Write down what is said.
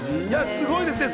すごいですよね。